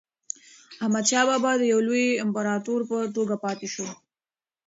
احمدشاه بابا د یو لوی امپراتور په توګه پاتې شو.